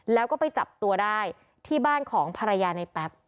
แล้วก็ไปจับตัวได้ที่บ้านของภรรยาในแป๊บ